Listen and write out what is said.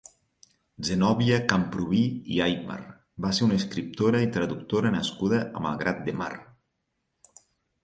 Zenòbia Camprubí i Aymar va ser una escriptora i traductora nascuda a Malgrat de Mar.